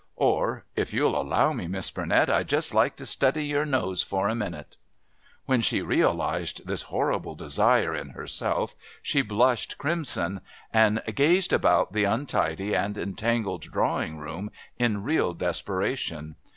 or, "If you'll allow me, Miss Burnett, I'd just like to study your nose for a minute." When she realised this horrible desire in herself she blushed crimson and gazed about the untidy and entangled drawing room in real desperation.